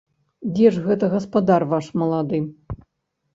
Дзе ж гэта гаспадар ваш малады?